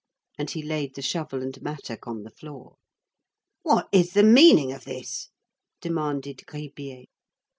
And he laid the shovel and mattock on the floor. "What is the meaning of this?" demanded Gribier.